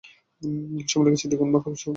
সময় লেগেছে দ্বিগুন, খরচাও পড়েছে দ্বিগুন!